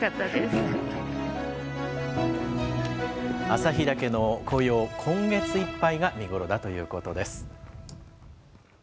旭岳の紅葉、今月いっぱいが見頃だということです。